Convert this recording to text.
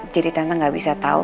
jadi tante gak bisa tau